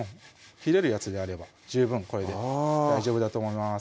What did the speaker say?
切れるやつであれば十分これで大丈夫だと思います